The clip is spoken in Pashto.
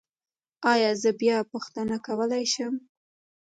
ایا زه بیا پوښتنه کولی شم؟